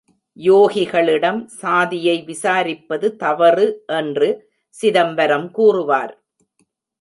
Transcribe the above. யோகிகளிடம் சாதியை விசாரிப்பது தவறு என்று சிதம்பரம் கூறுவார்!